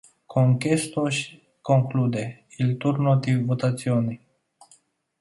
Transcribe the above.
Con questo si conclude il turno di votazioni.